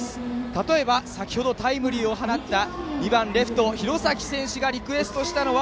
例えば、先程タイムリーを放った２番レフトの廣崎選手がリクエストしたのは